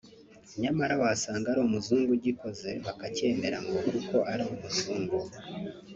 nyamara wasanga ari umuzungu ugikoze bakacyemera ngo kuko ari umuzungu